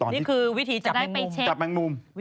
นี่คือวิธีจับแมงมุม